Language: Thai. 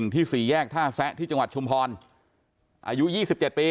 ที่๔แยกท่าแซะที่จังหวัดชุมพรอายุ๒๗ปี